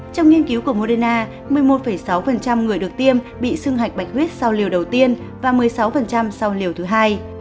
trong nghiên cứu của moderna một mươi một sáu người được tiêm bị sưng hạch bạch huyết sau liều đầu tiên và một mươi sáu sau liều thứ hai